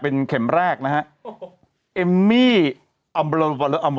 เป็นเข็มแรกนะครับ